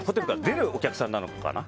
出るお客さんなのかな